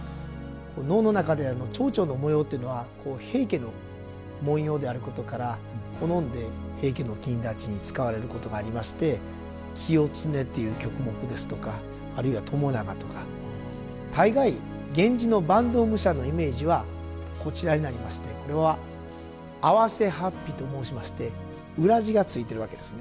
能の中では蝶々の模様というのは平家の文様であることから好んで平家の公達に使われることがありまして「清経」という曲目ですとかあるいは「朝長」とか大概源氏の坂東武者のイメージはこちらになりましてこれは袷法被と申しまして裏地が付いてるわけですね。